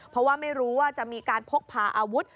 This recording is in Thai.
เพราะว่าไม่รู้ว่าจะมีการพกพาอาวุธ